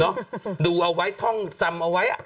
ดูเอาไว้ท่องจำเอาไว้